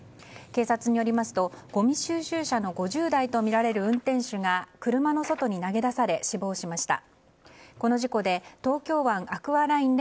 警察によりますとごみ収集車の５０代とみられる運転手が車の外に投げ出され死亡しました。